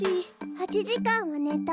８じかんはねた。